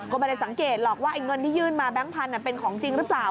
ก็ไม่ได้สังเกตหรอกว่าเงินที่ยื่นมาแบงค์พันธุ์เป็นของจริงหรือเปล่า